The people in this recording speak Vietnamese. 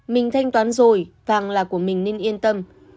mình thanh toán rồi vàng là của mình nên yên tâm